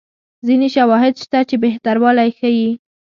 ځیني شواهد شته چې بهتروالی ښيي.